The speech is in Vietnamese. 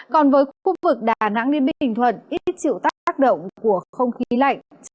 còn với khu vực đà nẵng liên bình hình thuận ít triệu tác động của không khí lạnh